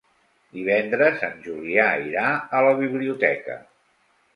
Divendres en Julià irà a la biblioteca.